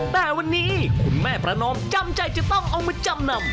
แต่วันนี้คุณแม่ประนอมจำใจจะต้องเอามาจำนำ